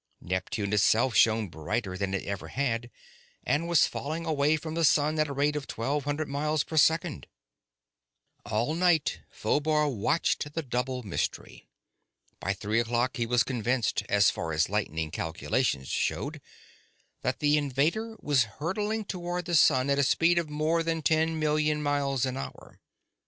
Neptune itself shone brighter than it ever had, and was falling away from the sun at a rate of twelve hundred miles per second. All night Phobar watched the double mystery. By three o'clock, he was convinced, as far as lightning calculations showed, that the invader was hurtling toward the sun at a speed of more than ten million miles an hour.